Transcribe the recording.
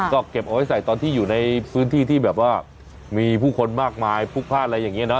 ก็เก็บเอาไว้ใส่ตอนที่อยู่ในพื้นที่ที่แบบว่ามีผู้คนมากมายพลุกพลาดอะไรอย่างนี้เนาะ